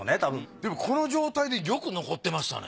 でもこの状態でよく残ってましたね。